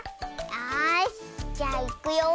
よしじゃあいくよ。